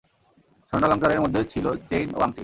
স্বর্ণালংকারের মধ্যে ছিল চেইন ও আংটি।